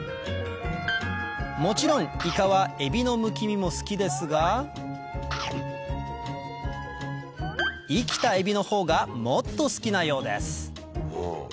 もちろんイカはエビのむき身も好きですが生きたエビのほうがもっと好きなようです